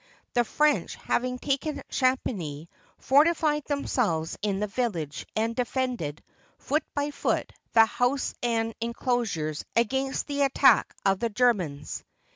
The French, having taken Champigny, fortified themselves in the village, and defended, foot by foot, the house and inclosures against the attack of the Germans.